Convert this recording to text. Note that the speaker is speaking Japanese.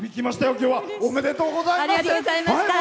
きょうは。おめでとうございます。